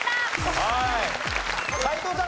はい。